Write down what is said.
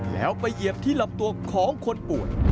แล้วไปเหยียบที่ลำตัวของคนป่วย